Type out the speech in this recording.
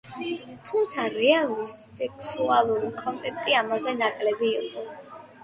თუმცა რეალური სექსუალური კონტაქტი ამაზე ნაკლები იყო.